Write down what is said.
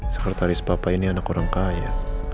sekretaris papa ini anak orang kaya